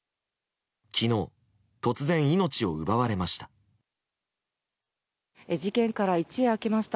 昨日、突然命を奪われました。